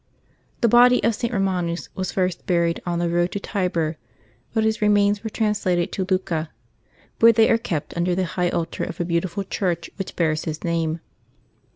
The bod}" of St. Eomanus was first buried on the road to Tibur, but his remains were translated to Lucca, where they are kept under the high altar of a beautiful church which bears his name.